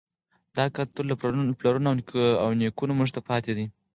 دا کلتور له پلرونو او نیکونو موږ ته پاتې دی.